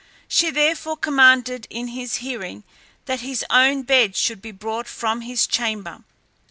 She therefore commanded in his hearing that his own bed should be brought from his chamber.